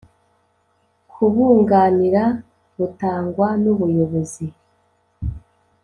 kubunganira butangwa n Ubuyobozi